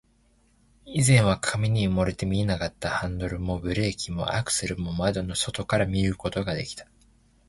以前は紙に埋もれて見えなかったハンドルも、ブレーキも、アクセルも、窓の外から見ることができた